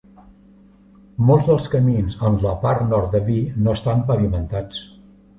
Molts dels camins en la part nord de Vie no estan pavimentats.